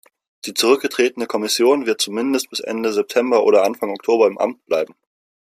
Die zurückgetretene Kommission wird zumindest bis Ende September oder Anfang Oktober im Amt bleiben.